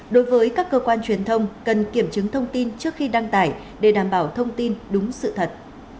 đối với các cơ quan truyền thông cần kiểm chứng thông tin trước khi đăng tải để đảm bảo thông tin đúng sự thật